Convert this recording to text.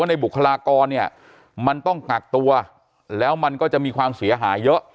ในบุคลากรเนี่ยมันต้องกักตัวแล้วมันก็จะมีความเสียหายเยอะ